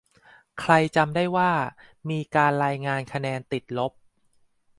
ใครจำได้ว่า มีการรายงานคะแนน "ติดลบ"